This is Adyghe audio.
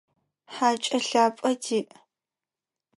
Хакӏэ лъапӏэ тиӏ.